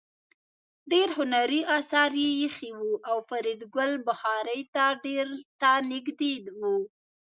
ډېر هنري اثار ایښي وو او فریدګل بخارۍ ته نږدې و